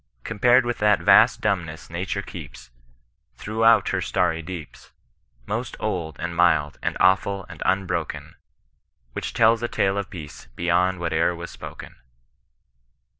Compared with that vast dumbness Nature keeps Throughout her stany deeps. Most old, and mild, and awful, and unbroken. Which tdls a tale of Peace beyond whate'er was spoken.